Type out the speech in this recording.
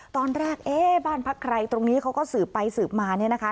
ตอนแรกเอ๊ะบ้านพักใครตรงนี้เขาก็สืบไปสืบมาเนี่ยนะคะ